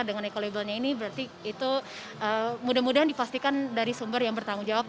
dengan ekolibelnya ini berarti itu mudah mudahan dipastikan dari sumber yang bertanggung jawab